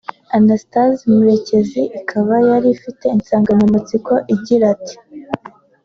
Anastase Murekezi; ikaba yari ifite insanganyamatsiko igira iti